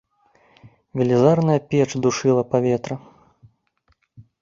Велізарная печ душыла паветра.